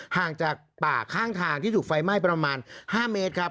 ห่างจากป่าข้างทางที่ถูกไฟไหม้ประมาณ๕เมตรครับ